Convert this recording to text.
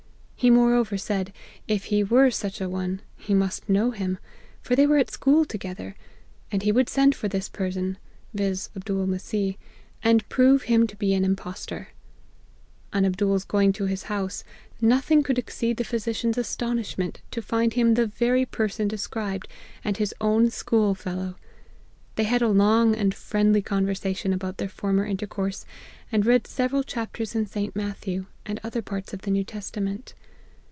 He moreover said, if he were such a one, he must know him, for they were at school together ; and he would send for this person, (viz. Abdool Mes seeh,) and prove him to be an impostor. On Ab dool's going to his house, nothing could exceed the physician's astonishment, to find him the very per son described, and his own school fellow. They had a long and friendly conversation about their former intercourse, and read several chapters in St. Matthew, and other parts of the New Testament.